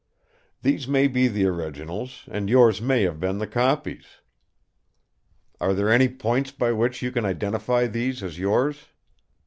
These may be the originals, and yours may have been the copies. Are there any points by which you can identify these as yours?"